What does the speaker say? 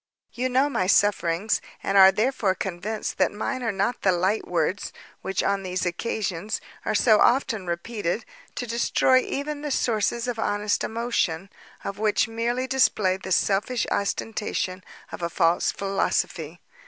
You know my sufferings, and are, therefore, convinced that mine are not the light words which, on these occasions, are so often repeated to destroy even the sources of honest emotion, or which merely display the selfish ostentation of a false philosophy.